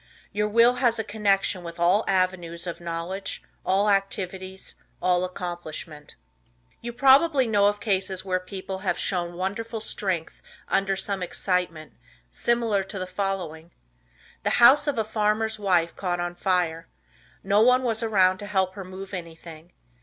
Your will has a connection with all avenues of knowledge, all activities, all accomplishment. You probably know of cases where people have shown wonderful strength under some excitement, similar to the following: The house of a farmer's wife caught on fire. No one was around to help her move anything.